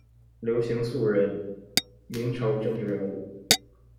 刘行素人，明朝政治人物。